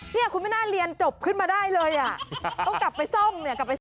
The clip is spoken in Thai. เนี่ยคุณไม่น่าเรียนจบขึ้นมาได้เลยต้องกลับไปซ่อม